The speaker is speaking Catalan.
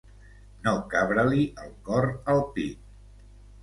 No cabre-li el cor al pit.